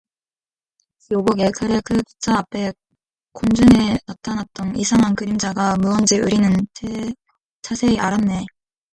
여보게, 그래 그 기차 앞에 공중에 나타났던 이상한 그림자가 무언지 우리는 자세히 알았네!